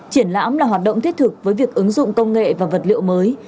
triển lãm là hoạt động thiết thực với việc ứng dụng công nghệ và vật liệu mới